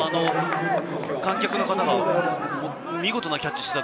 観客の方が見事なキャッチをした。